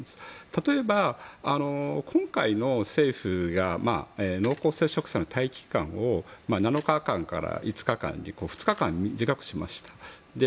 例えば今回、政府が濃厚接触者の待機期間を７日間から５日間に２日間短くしました。